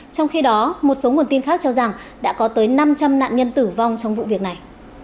trong khi đó một số nguồn tin khác cho rằng đã có tới năm trăm linh nạn nhân tử vong trong vụ việc này